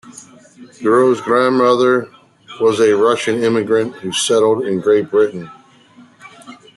Keogh's grandmother was a Russian immigrant who settled in Great Britain.